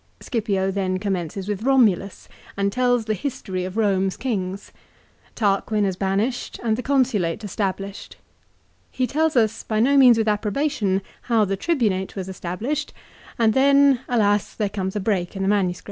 Scipio then commences with Romulus, and tells the history of Home's kings. Tarquin is banished and the Consulate established. He tells us, by no means with approbation, how the Tribunate was established, and then, alas, there comes a break in the MS.